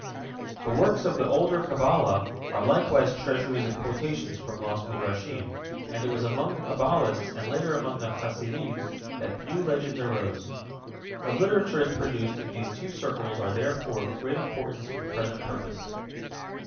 The works of the older Kabbalah are likewise treasuries of quotations from lost Midrashim, and it was among the Kabbalists, and later among the Hasidim, that new legends arose. The literatures produced in these two circles are therefore of great importance for the present purpose.